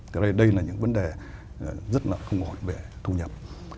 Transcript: thì đây là những vấn đề rất là khủng hoảng về thu nhập